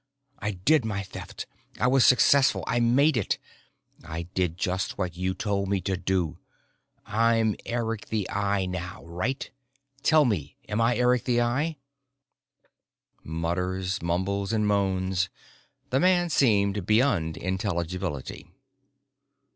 I did my Theft, I was successful, I made it. I did just what you told me to do. I'm Eric the Eye now, right? Tell me, am I Eric the Eye?" Mutters, mumbles and moans. The man seemed beyond intelligibility.